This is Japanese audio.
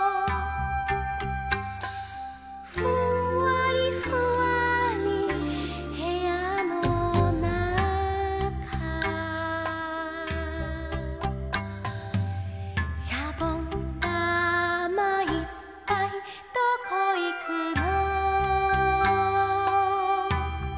「ふんわりふわーりまどのそと」「しゃぼんだまいっぱいどこいくの」